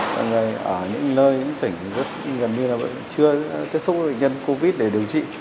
mọi người ở những nơi những tỉnh gần như là vẫn chưa tiếp xúc với bệnh nhân covid để điều trị